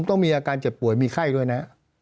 ต้องมีอาการเจ็บป่วยมีไข้ด้วยนะ